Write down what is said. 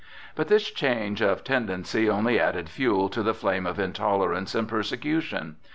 But this change of tendency only added fuel to the flame of intolerance and persecution.